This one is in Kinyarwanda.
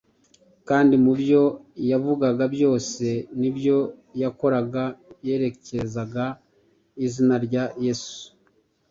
Kandi mu byo yavugaga byose n’ibyo yakoraga yererezaga izina rya Yesu